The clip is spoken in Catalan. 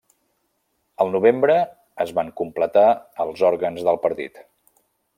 El novembre es van completar els òrgans del partit.